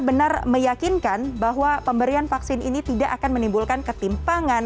benar meyakinkan bahwa pemberian vaksin ini tidak akan menimbulkan ketimpangan